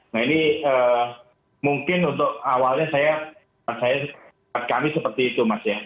nah ini mungkin untuk awalnya saya kami seperti itu mas ya